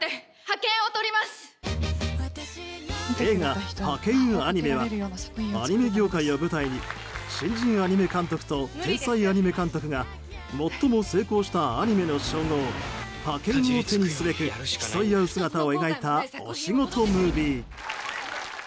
映画「ハケンアニメ！」はアニメ業界を舞台に新人アニメ監督と天才アニメ監督が最も成功したアニメの称号覇権を手にすべく競い合う姿を描いたお仕事ムービー。